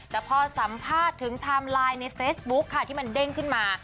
แต่พอสัมภาษณ์ถึงไทม์ไลน์ในเฟซบุ๊คค่ะที่มันเด้งขึ้นมา